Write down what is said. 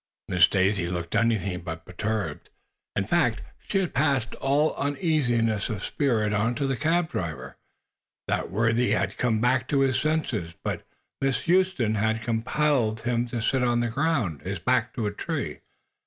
Miss Daisy looked anything but perturbed. In fact, she had passed all uneasiness of spirit on to the cab driver. That worthy had come back to his senses, but Miss Huston had compelled him to sit on the ground, his back to a tree.